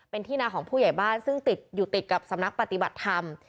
เป็นที่นาของผู้ใหญ่บ้านซึ่งติดอยู่ติดกับสำนักปฏิบัติธรรม